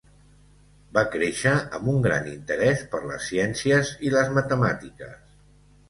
Va créixer amb un gran interès per les ciències i les matemàtiques.